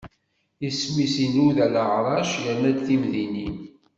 Isem-is inuda leɛrac, yerna timdinin.